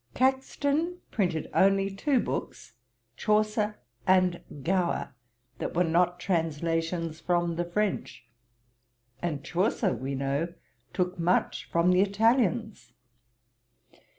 Caxton printed only two books, Chaucer and Gower, that were not translations from the French; and Chaucer, we know, took much from the Italians.